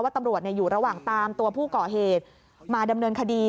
ตำรวจอยู่ระหว่างตามตัวผู้ก่อเหตุมาดำเนินคดี